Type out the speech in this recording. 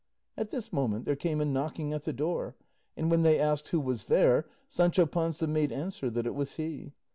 At this moment there came a knocking at the door, and when they asked who was there, Sancho Panza made answer that it was he.